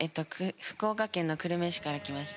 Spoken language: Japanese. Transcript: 福岡県の久留米市から来ました。